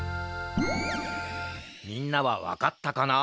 みんなはわかったかな？